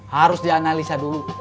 harus dianalisa dulu